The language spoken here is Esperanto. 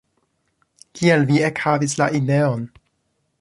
Kiel vi ekhavis la ideon?